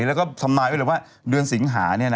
และสำนายนดิว่าเดือนสิงหา